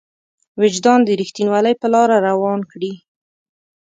وجدان د رښتينولۍ په لاره روان کړي.